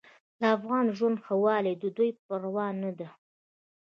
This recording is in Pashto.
د افغان ژوند ښهوالی د دوی پروا نه ده.